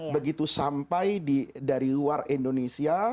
begitu sampai dari luar indonesia